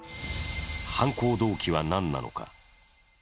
犯行動機は何なのか。